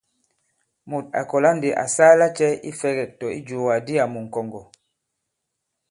Mùt à kɔ̀la ndī à saa lacɛ̄ ifɛ̄gɛ̂k- tɔ̀ ijùwàgàdi àmu ŋ̀kɔ̀ŋgɔ̀ ?